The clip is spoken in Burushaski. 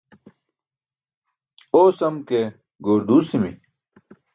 Oosam ke goor duusi̇mi̇.